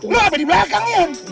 lo apa di belakangnya